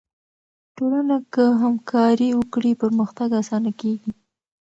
ټولنه که همکاري وکړي، پرمختګ آسانه کیږي.